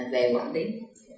về quản lý